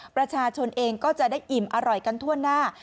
ประชาชนเองก็จะได้อิ่มอร่อยกันทั่วหน้า